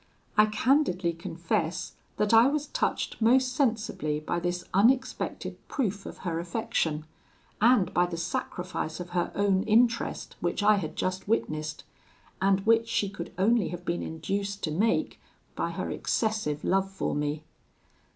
I candidly confess that I was touched most sensibly by this unexpected proof of her affection, and by the sacrifice of her own interest which I had just witnessed, and which she could only have been induced to make by her excessive love for me.